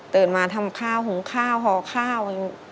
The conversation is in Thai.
ตื่นมาทำข้าวหุงข้าวห่อข้าว